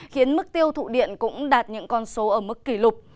khiến mức tiêu thụ điện cũng đạt những con số ở mức kỷ lục